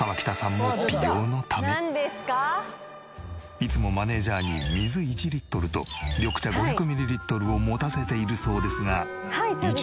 いつもマネジャーに水１リットルと緑茶５００ミリリットルを持たせているそうですが。